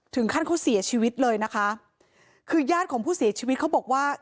ถึงขั้นเขาเสียชีวิตเลยนะคะคือญาติของผู้เสียชีวิตเขาบอกว่า